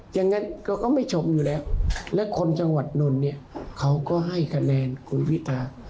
อย่างนั้นก็ไม่ชมอยู่แล้วและคนจังหวัดนนท์เนี่ยเขาก็ให้คะแนนคุณพิธา